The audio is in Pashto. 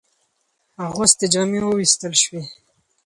اغوستي جامې ووېستل شوې.